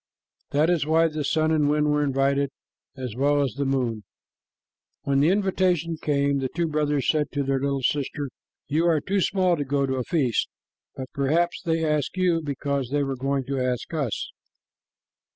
That is why the sun and wind were invited as well as the moon. When the invitation came, the two brothers said to their little sister, "You are too small to go to a feast, but perhaps they asked you because they were going to ask us."